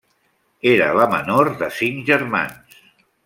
Era la menor de cinc germans.